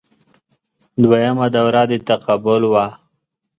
دویمه دوره د تقابل وه